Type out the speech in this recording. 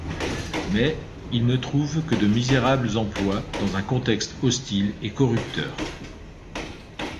Mais, ils ne trouvent que de misérables emplois dans un contexte hostile et corrupteur.